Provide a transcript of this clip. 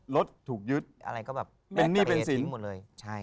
รถถูกยึดเป็นหนี้เป็นสิน